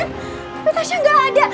tapi tasya gak ada